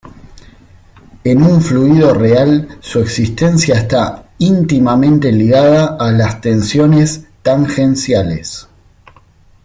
En un fluido real su existencia está íntimamente ligada a las tensiones tangenciales.